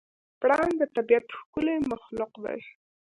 پړانګ د طبیعت ښکلی مخلوق دی.